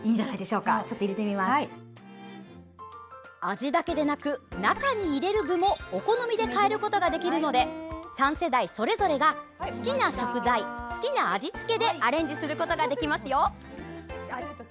味だけでなく中に入れる具もお好みで変えることができるので３世代それぞれが好きな食材好きな味つけでアレンジすることができますよ！